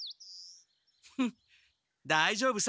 フッだいじょうぶさ。